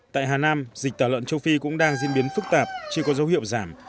tại hà nam dịch tả lợn châu phi cũng đang diễn biến phức tạp chưa có dấu hiệu giảm